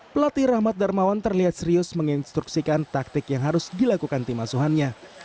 pelatih rahmat darmawan terlihat serius menginstruksikan taktik yang harus dilakukan tim asuhannya